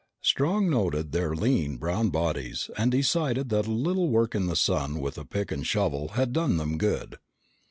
Strong noted their lean, brown bodies and decided that a little work in the sun with a pick and shovel had done them good.